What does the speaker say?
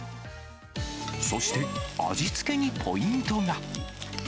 そして味付けにポイントが。